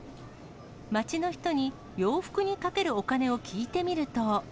街の人に洋服にかけるお金を聞いてみると。